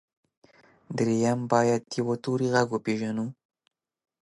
درېيم بايد د يوه توري غږ وپېژنو.